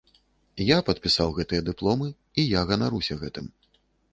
Я падпісаў гэтыя дыпломы, і я ганаруся гэтым.